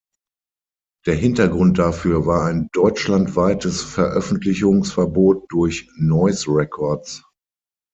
Der Hintergrund dafür war ein deutschlandweites Veröffentlichungsverbot durch Noise Records.